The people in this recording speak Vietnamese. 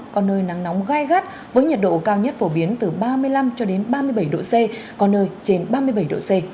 có nơi nắng nóng gai gắt với nhiệt độ cao nhất phổ biến từ ba mươi năm cho đến ba mươi bảy độ c có nơi trên ba mươi bảy độ c